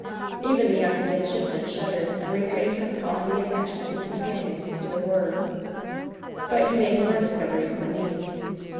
Even the yotmg midshipman shuddered and refrained from calling the attention of his companions tJ> the horror. But he made more discoveries than these.